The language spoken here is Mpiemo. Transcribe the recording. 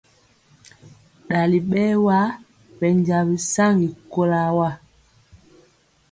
Dali bɛɛwa bɛnja saŋgi kɔlo wa.